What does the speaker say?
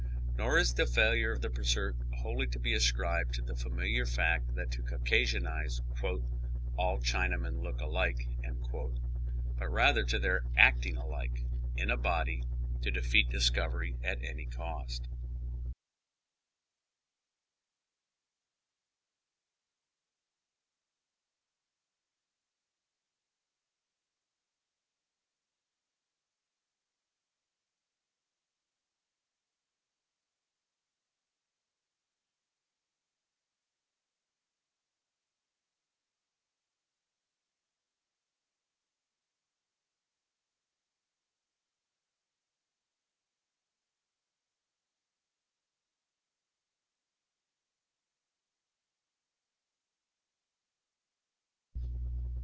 Nor is the failure of the pursuit wholly to be ascribed to the familiar fact that to Caucasian eyes " all Chinamen look alike," but rather to their acting " alike," in a body, to defeat discovery at any cost.